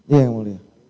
iya yang mulia